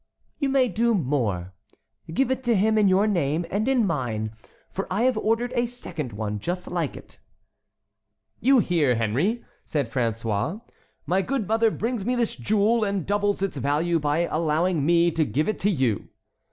"You may do more. Give it to him in your name and in mine, for I have ordered a second one just like it." "You hear, Henry," said François, "my good mother brings me this jewel and doubles its value by allowing me to give it to you."